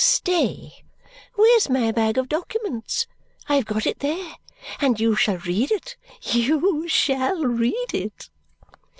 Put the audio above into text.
Stay! Where's my bag of documents? I have got it there, and you shall read it, you shall read it!"